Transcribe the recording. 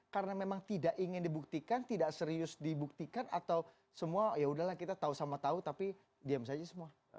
karena memang tidak ingin dibuktikan tidak serius dibuktikan atau semua yaudahlah kita tahu sama tahu tapi diam saja semua